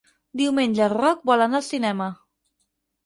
Diumenge en Roc vol anar al cinema.